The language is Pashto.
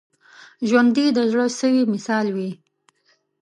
ژوندي د زړه سوي مثال وي